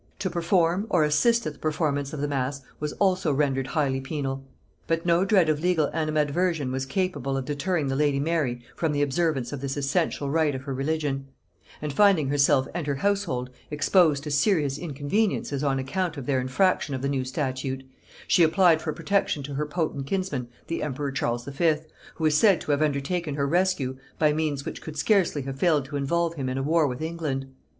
To perform or assist at the performance of the mass was also rendered highly penal. But no dread of legal animadversion was capable of deterring the lady Mary from the observance of this essential rite of her religion; and finding herself and her household exposed to serious inconveniences on account of their infraction of the new statute, she applied for protection to her potent kinsman the emperor Charles V., who is said to have undertaken her rescue by means which could scarcely have failed to involve him in a war with England.